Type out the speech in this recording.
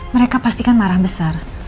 mereka pasti kan marah besar